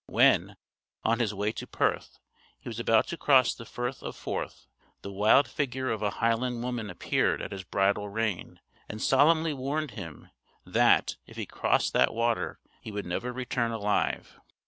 When, on his way to Perth, he was about to cross the Firth of Forth, the wild figure of a Highland woman appeared at his bridle rein, and solemnly warned him "that, if he crossed that water, he would never return alive."